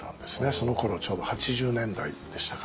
そのころちょうど８０年代でしたか。